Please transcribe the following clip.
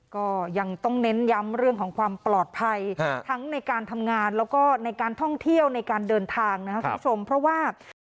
ก็ยังต้องเน้นย้ำเรื่องของความปลอดภัยทั้งในการทำงานแล้วก็ในการท่องเที่ยวในการเดินทางนะครับคุณผู้ชมเพราะว่า